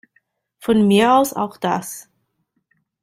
Von mir aus auch das.